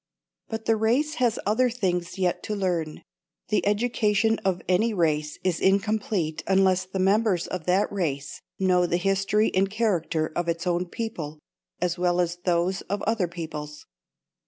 But the race has other things yet to learn: The education of any race is incomplete unless the members of that race know the history and character of its own people as well as those of other peoples.